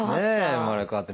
生まれ変わって。